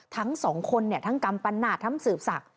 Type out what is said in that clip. ทั้งสองคนทั้งกำปันนาจทั้งสืบศักดิ